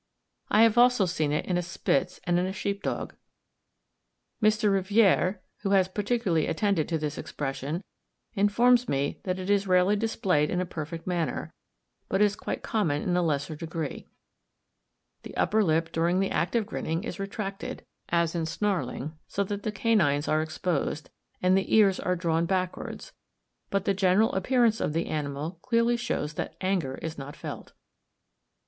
I have also seen it in a Spitz and in a sheep dog. Mr. Riviere, who has particularly attended to this expression, informs me that it is rarely displayed in a perfect manner, but is quite common in a lesser degree. The upper lip during the act of grinning is retracted, as in snarling, so that the canines are exposed, and the ears are drawn backwards; but the general appearance of the animal clearly shows that anger is not felt.